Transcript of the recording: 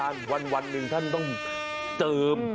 วันอาจารย์วันหนึ่งท่านต้องเจิม